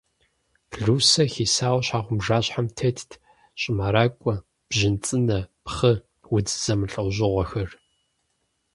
Лусэ хисауэ щхьэгъубжащхьэм тетт щӏымэракӏуэ, бжьын цӏынэ, пхъы, удз зэмылӏэужьыгъуэхэр.